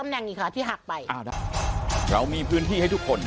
หนูไม่ยอมค่ะ